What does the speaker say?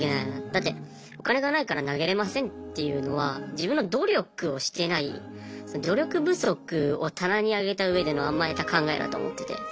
だってお金がないから投げれませんっていうのは自分の努力をしてない努力不足を棚に上げたうえでの甘えた考えだと思ってて。